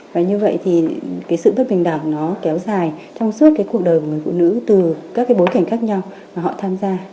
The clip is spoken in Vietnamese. và như vậy thì cái sự bất bình đẳng nó kéo dài trong suốt cái cuộc đời của người phụ nữ từ các cái bối cảnh khác nhau mà họ tham gia